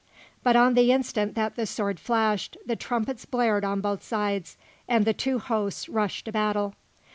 But on the instant that the sword flashed, the trumpets blared on both sides and the two hosts rushed to battle.